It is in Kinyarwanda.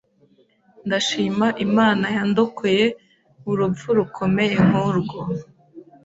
ndashima Imana yandokoye urupfu rukomeye nkurwo